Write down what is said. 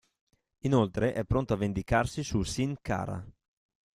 Inoltre è pronto a vendicarsi su Sin Cara.